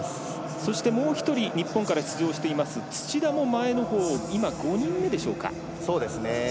そして、もう一人日本から出場している土田は前のほう、５人目でしょうか。